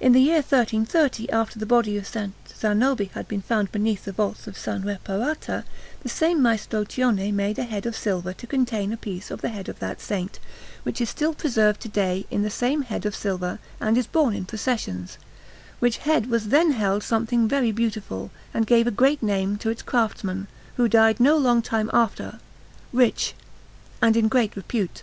In the year 1330, after the body of S. Zanobi had been found beneath the vaults of S. Reparata, the same Maestro Cione made a head of silver to contain a piece of the head of that Saint, which is still preserved to day in the same head of silver and is borne in processions; which head was then held something very beautiful and gave a great name to its craftsman, who died no long time after, rich and in great repute.